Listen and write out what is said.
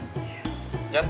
pok selamat ya